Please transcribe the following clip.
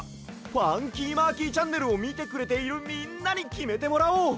「ファンキーマーキーチャンネル」をみてくれているみんなにきめてもらおう！